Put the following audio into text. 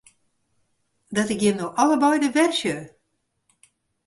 Dat ik jim no allebeide wer sjoch!